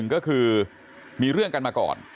ก็คือมีเรื่องกันมาก่อน